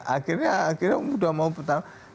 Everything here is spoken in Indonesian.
akhirnya mudah mau bertanggung